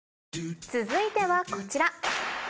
続いてはこちら。